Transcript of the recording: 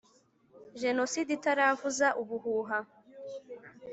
genoside itaravuza ubuhuha